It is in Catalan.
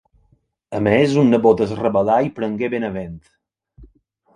A més, un nebot es rebel·là i prengué Benevent.